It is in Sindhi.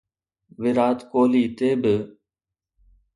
ويرات ڪوهلي تي بي